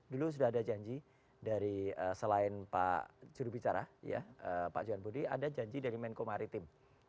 dulu sudah ada janji dari selain pak jurubicara pak johan budi ada janji dari menko maritim